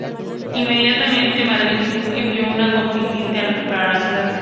Inmediatamente Madrid envió un contingente a recuperar la ciudad.